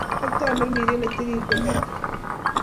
Ak Tamirmiriet ne Tilil ko miten